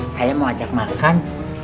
saya mau ajak makan